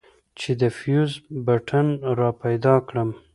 چې د فيوز بټن راپيدا کړم.